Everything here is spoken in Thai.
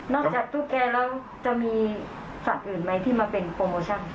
จากตุ๊กแกแล้วจะมีสัตว์อื่นไหมที่มาเป็นโปรโมชั่น